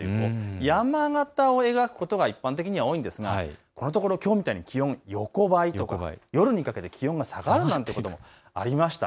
山型を描くことが一般的には多いんですが、このところきょうみたいに気温、横ばい、夜にかけて気温が下がるということもありました。